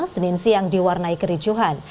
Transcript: senin siang diwarnai kericuhan